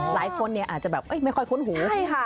หลายคนอาจจะไม่ค่อยค้นหู